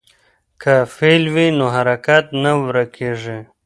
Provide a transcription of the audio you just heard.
که فعل وي نو حرکت نه ورکېږي.